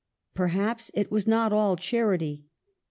Perhaps it was not all charity.